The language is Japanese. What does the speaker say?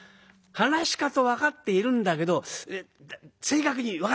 噺家と分かっているんだけど正確に分からない。